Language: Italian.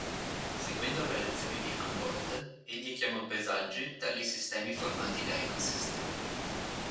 Seguendo la lezione di Humboldt, egli chiamò "paesaggi" tali sistemi formati da ecosistemi.